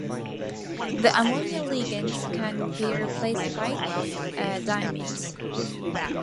The ammonia ligands can be replaced by diamines.